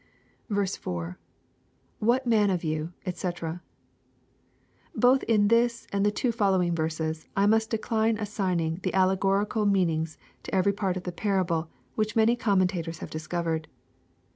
i, —[ What man of you, <fcc.] Both in this and the two following verses, I must decline assigning the allegorical meanings to every part of the parable, which many commentatora have discovered.